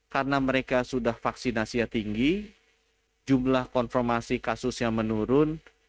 karena mereka sudah vaksinasinya tinggi jumlah konformasi kasusnya menurun